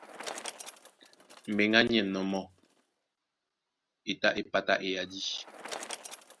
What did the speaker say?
Mbeŋgá ní ɛ̂nnɔ́ mɔ́, e tá é pátá eyadí.